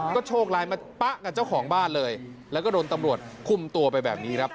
ก็โชคไลน์มาป๊ะกับเจ้าของบ้านเลยแล้วก็โดนตำรวจคุมตัวไปแบบนี้ครับ